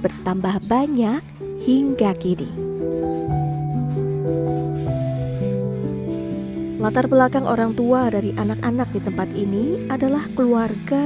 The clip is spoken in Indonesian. bertambah banyak hingga kini latar belakang orang tua dari anak anak di tempat ini adalah keluarga